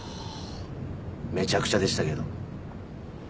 めちゃくちゃでしたけど。